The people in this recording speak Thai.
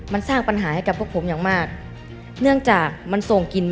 มันสร้างปัญหาให้กับพวกผมอย่างมาก